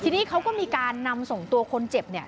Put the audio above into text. ทีนี้เขาก็มีการนำส่งตัวคนเจ็บเนี่ย